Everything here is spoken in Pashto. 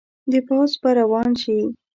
د پوځ به روان شي.